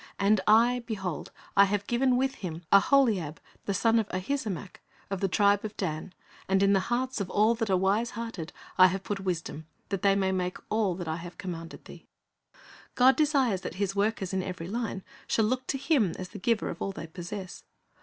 ... And I, behold, I have given with him Aholiab, the son of Ahisamach, of the tribe of Dan ; and in the hearts of all that are wise hearted I have put wisdom, that they may make all that I have commanded thee."^ God desires that His workers in every line shall look to Him as the Giver of all they possess.